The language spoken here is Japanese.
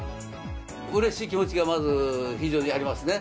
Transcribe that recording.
うれしい気持ちがまず非常にありますね。